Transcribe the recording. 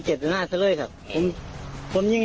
หาแล้วโจมตัว